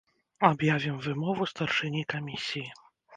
Аб'явім вымову старшыні камісіі.